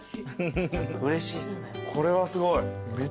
これはすごい。